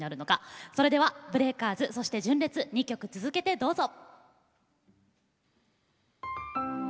それではＢＲＥＡＫＥＲＺそして純烈２曲続けてどうぞ。